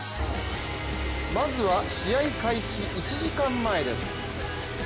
まずは試合開始１時間前です。